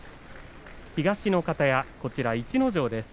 東の方屋、逸ノ城です。